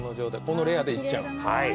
このレアでいっちゃう？